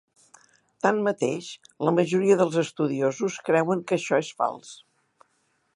Tanmateix, la majoria dels estudiosos creuen que això és fals.